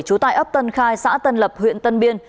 trú tại ấp tân khai xã tân lập huyện tân biên